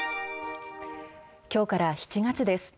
きょうから７月です。